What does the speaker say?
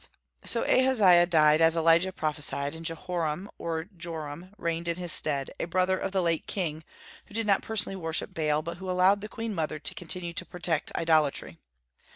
So Ahaziah died, as Elijah prophesied, and Jehoram (or Joram) reigned in his stead, a brother of the late king, who did not personally worship Baal, but who allowed the queen mother to continue to protect idolatry.